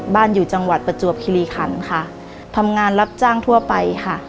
อยู่จังหวัดประจวบคิริขันค่ะทำงานรับจ้างทั่วไปค่ะ